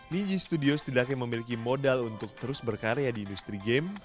niji studios tidak yang memiliki modal untuk terus berkarya di industri game